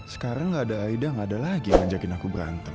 sekarang gak ada aida gak ada lagi yang ngajakin aku berantem